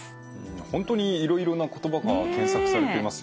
本当にいろいろな言葉が検索されていますよね。